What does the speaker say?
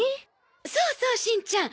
そうそうしんちゃん。